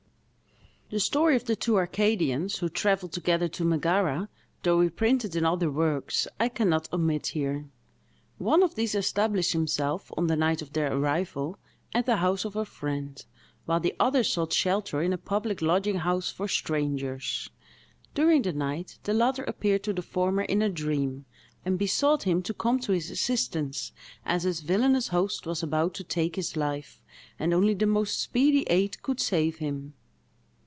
The story of the two Arcadians, who travelled together to Megara, though reprinted in other works, I can not omit here. One of these established himself, on the night of their arrival, at the house of a friend, while the other sought shelter in a public lodging house for strangers. During the night, the latter appeared to the former, in a dream, and besought him to come to his assistance, as his villanous host was about to take his life, and only the most speedy aid could save him.